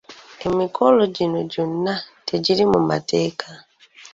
Emikolo gino gyonna tegiri mu mateeka.